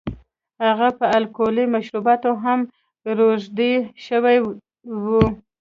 هغه په الکولي مشروباتو هم روږدی شوی و.